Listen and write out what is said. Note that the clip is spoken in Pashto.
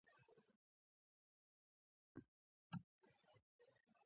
ذهني توازن یې ګډ وډ شو.